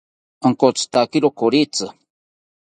Onkotzitakiro koritzi